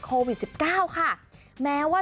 โควิด๑๙ค่ะแม้ว่า